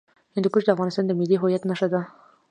هندوکش د افغانستان د ملي هویت نښه ده.